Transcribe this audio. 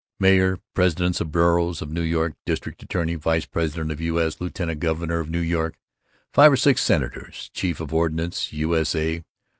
Mayor, presidents of boroughs of NY, district attorney, vice president of U.S., lieut. governor of NY, five or six senators, chief of ordnance, U.S.A.